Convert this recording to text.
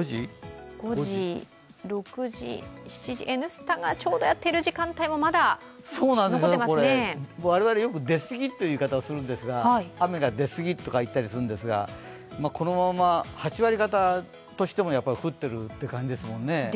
「Ｎスタ」がちょうどやっている時間帯も我々はよく雨が出過ぎとか言ったりするんですが、このまま８割方としても降っているという感じですもんね。